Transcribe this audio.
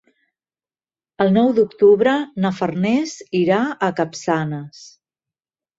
El nou d'octubre na Farners irà a Capçanes.